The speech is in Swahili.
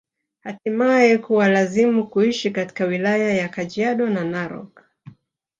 Hatimae kuwalazimu kuishi katika wilaya ya Kajiado na Narok